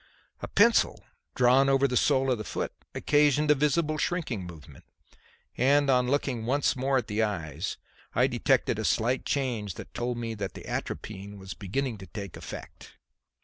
A pencil, drawn over the sole of the foot, occasioned a visible shrinking movement, and, on looking once more at the eyes, I detected a slight change that told me that the atropine was beginning to take effect.